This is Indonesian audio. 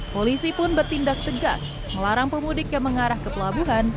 polisi pun bertindak tegas melarang pemudik yang mengarah ke pelabuhan